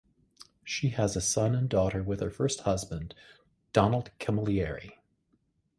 She has a son and daughter with her first husband, Donald Camillieri.